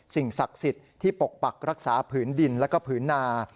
สิ่งศักดิ์สิทธิ์ที่ปกปักรักษาผืนดินแล้วก็ผืนนา